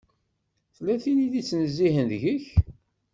Tella tin i d-ittnezzihen deg-k.